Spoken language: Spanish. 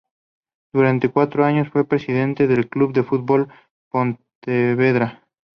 Durante cuatro años fue Presidente del Club de Fútbol Pontevedra.